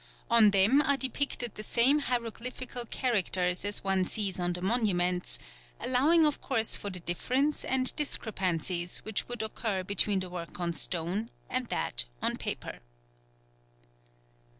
On them are depicted the same hieroglyphical characters as one sees on the monuments, allowing of course for the difference and discrepancies which would occur between the work on stone and that on paper.